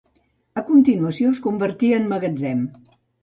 A continuació es convertí en magatzem.